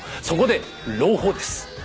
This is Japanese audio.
そこで朗報です。